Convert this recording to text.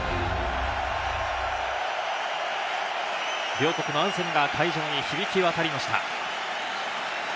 両国のアンセムが会場に響き渡りました。